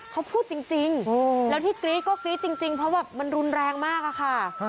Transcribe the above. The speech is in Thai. เขาพูดจริงแล้วที่กรี๊ดก็กรี๊ดจริงเพราะแบบมันรุนแรงมากอะค่ะ